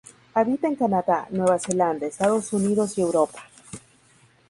Habita en Canadá, Nueva Zelanda, Estados Unidos y Europa.